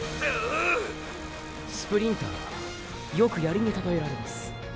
スプリンターはよく槍に例えられます。